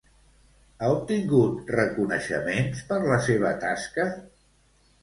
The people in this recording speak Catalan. Ha obtingut reconeixements per la seva tasca?